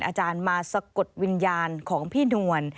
อาจารย์มาสะกดวิญญาณของพี่นวล